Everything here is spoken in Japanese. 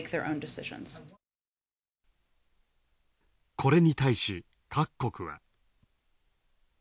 これに対し、各国は。